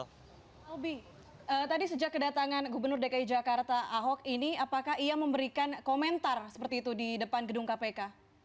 albi tadi sejak kedatangan gubernur dki jakarta ahok ini apakah ia memberikan komentar seperti itu di depan gedung kpk